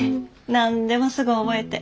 何でもすぐ覚えて。